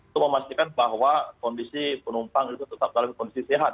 itu memastikan bahwa kondisi penumpang itu tetap dalam kondisi sehat